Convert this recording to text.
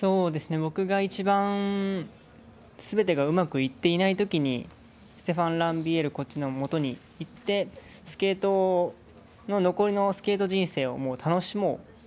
僕が一番すべてがうまくいっていないときにステファン・ランビエールコーチのもとに行ってスケートの残りのスケート人生を楽しもう。